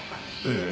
ええ。